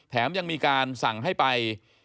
ยังมีการสั่งให้ไป